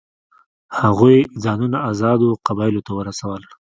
هغوی ځانونه آزادو قبایلو ته ورسول.